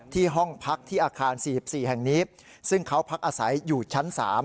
ห้องพักที่อาคาร๔๔แห่งนี้ซึ่งเขาพักอาศัยอยู่ชั้น๓